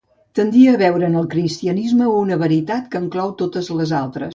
Tendia a veure en el cristianisme una veritat que enclou totes les altres.